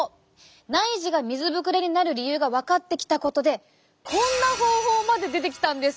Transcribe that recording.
内耳が水ぶくれになる理由が分かってきたことでこんな方法まで出てきたんです！